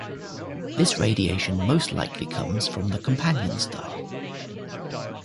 This radiation most likely comes from the companion star.